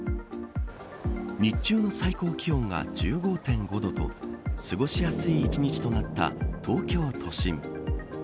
日中の最高気温が１５．５度と過ごしやすい１日となった東京都心。